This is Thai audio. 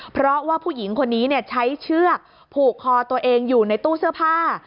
เพราะว่าผู้หญิงคนนี้ใช้เชือกผูกคอตัวเองอยู่ในตู้เสื้อผ้า